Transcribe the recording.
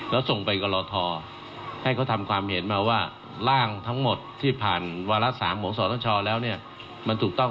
และส่งไปกับกรทธรรมนุนให้ทำความเห็นมาว่าร่างรัฐธรรมทั้งหมดที่ผ่านวาฤษภรรณสรรค์ไตรนุนและวาฤษฐรรมนุน